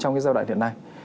trong cái giao đoạn hiện nay